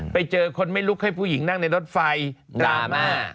ไปเจอคนไม่ลุกให้ผู้หญิงนั่งในรถไฟดราม่า